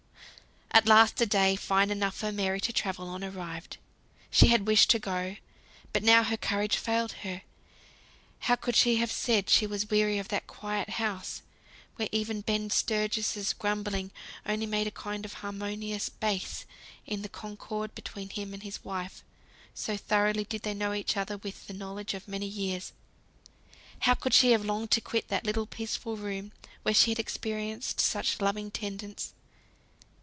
At last a day, fine enough for Mary to travel on, arrived. She had wished to go, but now her courage failed her. How could she have said she was weary of that quiet house, where even Ben Sturgis' grumblings only made a kind of harmonious bass in the concord between him and his wife, so thoroughly did they know each other with the knowledge of many years! How could she have longed to quit that little peaceful room where she had experienced such loving tendence!